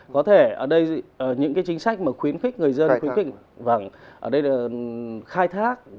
có thể ở đây những chính sách khuyến khích người dân khuyến khích khai thác